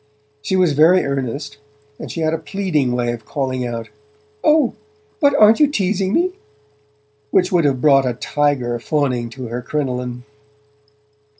She was very earnest, and she had a pleading way of calling out: 'O, but aren't you teasing me?' which would have brought a tiger fawning to her crinoline.